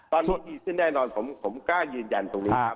ตอนนี้ดีขึ้นแน่นอนผมกล้ายืนยันตรงนี้ครับ